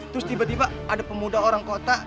terus tiba tiba ada pemuda orang kota